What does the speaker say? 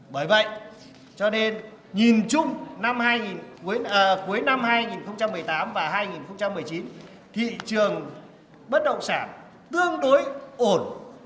bởi vậy cho nên nhìn chung cuối năm hai nghìn một mươi tám và hai nghìn một mươi chín thị trường bất động sản tương đối ổn